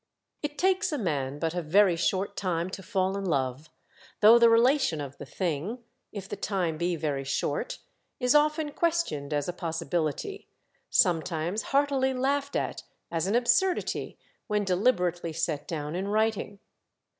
It takes a man but a very short time to 190 THE DEATH SHIP. fall in love, though the relation of the thing, if the time be very short, is often questioned as a possibility, sometimes heartily laughed at as an absurdity, when deliberately set down in writing.